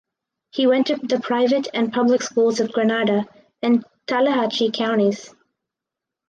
He went to the private and public schools of Grenada and Tallahatchie counties.